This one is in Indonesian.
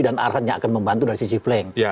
dan arhatnya akan membantu dari sisi flank